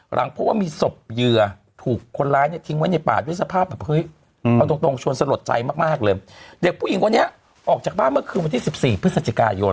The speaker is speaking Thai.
หลังพบว่ามีศพเหยื่อถูกคนร้ายเนี่ยทิ้งไว้ในป่าด้วยสภาพแบบเฮ้ยเอาตรงตรงชวนสลดใจมากมากเลยเด็กผู้หญิงคนนี้ออกจากบ้านเมื่อคืนวันที่๑๔พฤศจิกายน